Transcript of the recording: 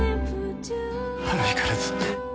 あの日からずっと。